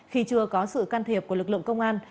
khi chưa có sự can thiệp của lực lượng công an